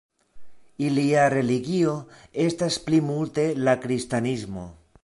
Ilia religio estas plimulte la kristanismo.